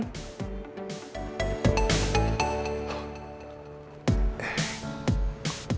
pak ini siapa